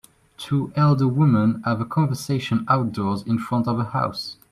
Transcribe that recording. Two elder women have a conversation outdoors in front of a house